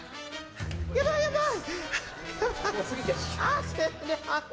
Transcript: やばい、やばい。